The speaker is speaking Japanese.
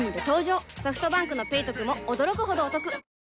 ソフトバンクの「ペイトク」も驚くほどおトク